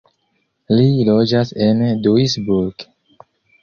Li loĝas en Duisburg.